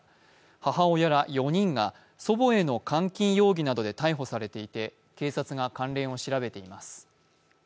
母親ら４人が祖母への監禁容疑などで逮捕されていて、警察が関連を調べています。